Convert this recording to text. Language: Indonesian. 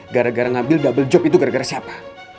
gara gara ngambil double job itu gara gara siapa